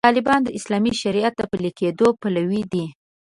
طالبان د اسلامي شریعت د پلي کېدو پلوي دي.